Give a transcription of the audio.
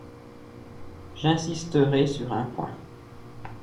J’insisterai sur un point.